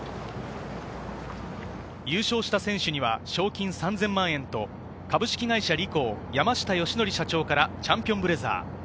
優勝した選手には賞金３０００万円と株式会社リコー・山下良則社長からチャンピオンブレザー。